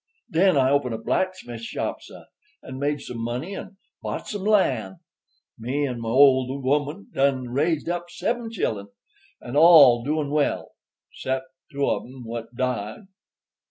"Den I open a blacksmith shop, suh, and made some money and bought some lan'. Me and my old 'oman done raised up seb'm chillun, and all doin' well 'cept two of 'em what died.